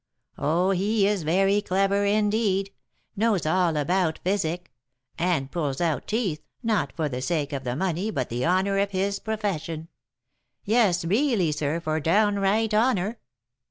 Oh, he is very clever, indeed! knows all about physic; and pulls out teeth, not for the sake of the money but the honour of his profession, yes, really, sir, for downright honour.